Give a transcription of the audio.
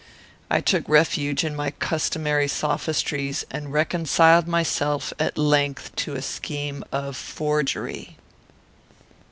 I took refuge in my customary sophistries, and reconciled myself at length to a scheme of forgery!"